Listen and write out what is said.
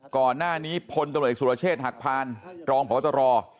ก่อนหน้านี้พลตำรวจเอกสุรเชษฐ์หักพานรองพตร